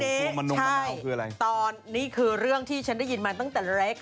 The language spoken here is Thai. เรื่องนี้ใช่ตอนนี้คือเรื่องที่ฉันได้ยินมาตั้งแต่เร็ก